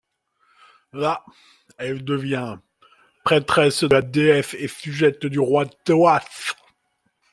Là, elle devient prêtresse de la déesse et sujette du roi Thoas.